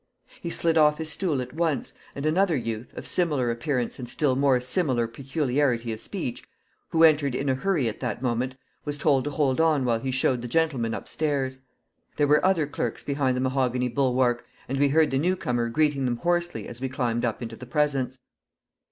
He slid off his stool at once, and another youth, of similar appearance and still more similar peculiarity of speech, who entered in a hurry at that moment, was told to hold on while he showed the gentlemen up stairs. There were other clerks behind the mahogany bulwark, and we heard the newcomer greeting them hoarsely as we climbed up into the presence.